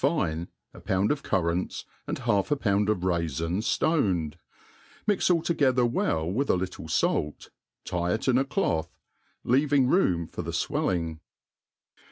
^Dc, a pound of currants, and half ;i )pound of raifins ftoned ^ inix alt together well with a little fait, tie it in a clotb^ lea¥«' ing room for the fwelliog.